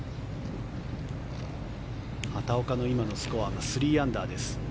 畑岡の今のスコアが３アンダーです。